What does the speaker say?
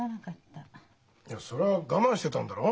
いやそれは我慢してたんだろ？